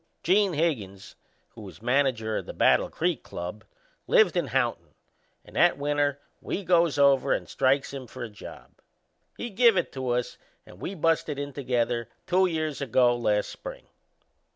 Gene Higgins, who was manager o' the Battle Creek Club, lived in Houghton, and that winter we goes over and strikes him for a job. He give it to us and we busted in together two years ago last spring.